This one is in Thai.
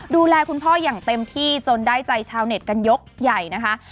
ดูแลคุณพ่ออย่างเต็มที่จนได้ใจชาวเน็ตกันยกใหญ่นะคะ